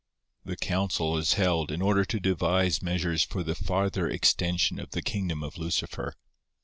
The council is held in order to devise measures for the farther extension of the kingdom of Lucifer.